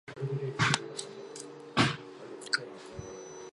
乌来棒粉虱为粉虱科棒粉虱属下的一个种。